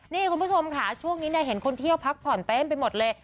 นี่คุณผู้ชมค่ะช่วงนี้เห็นคนเที่ยวพักผ่อนเต็มไปหมดเลย